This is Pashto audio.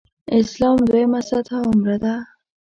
اسلام دویمه سطح عمره ده.